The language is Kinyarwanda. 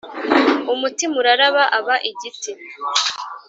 umutima uraraba aba igiti.